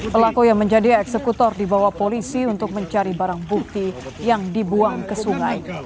pelaku yang menjadi eksekutor dibawa polisi untuk mencari barang bukti yang dibuang ke sungai